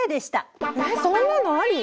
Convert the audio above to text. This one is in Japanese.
えっそんなのあり！？